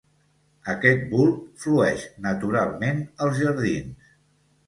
Aquest bulb flueix naturalment als jardins.